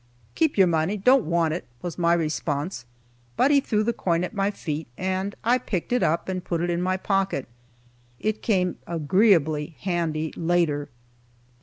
"Keep your money don't want it;" was my response, but he threw the coin at my feet, and I picked it up and put it in my pocket. It came agreeably handy later.